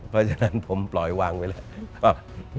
เพราะฉะนั้นผมปล่อยวางไว้แล้ว